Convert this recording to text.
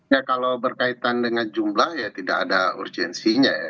ya kalau berkaitan dengan jumlah ya tidak ada urgensinya ya